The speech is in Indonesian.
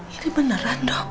ini beneran dok